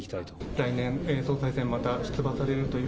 来年、総裁選、また出馬されるという。